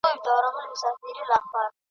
داسي ډېر کسان پردي غمونه ژاړي ..